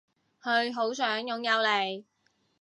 佢好想擁有你